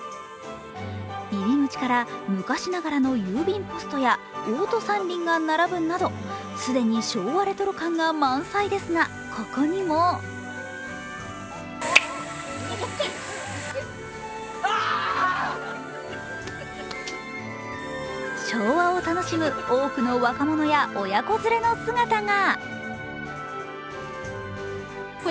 入り口から昔ながらの郵便ポストやオート三輪が並ぶなど、既に昭和レトロ感が満載ですが、ここにも昭和を楽しむ多くの若者や親子連れの姿が。